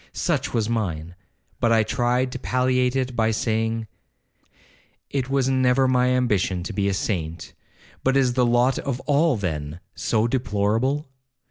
Such was mine, but I tried to palliate it by saying, 'It was never my ambition to be a saint; but is the lot of all, then, so deplorable?'